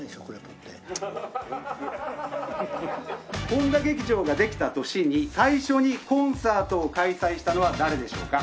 本多劇場ができた年に最初にコンサートを開催したのは誰でしょうか？